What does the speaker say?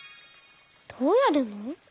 どうやるの？